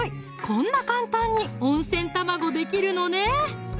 こんな簡単に温泉卵できるのね！